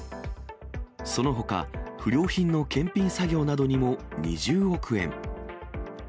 そのほか、不良品の検品作業などにも２０億円。